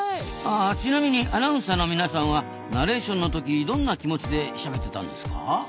ちなみにアナウンサーの皆さんはナレーションのときどんな気持ちでしゃべってたんですか？